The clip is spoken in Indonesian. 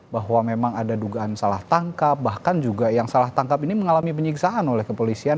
bahwa memang ada dugaan salah tangkap bahkan juga yang salah tangkap ini mengalami penyiksaan oleh kepolisian